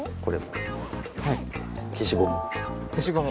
消しゴム。